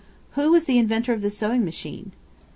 Who was the inventor of the Sewing Machine?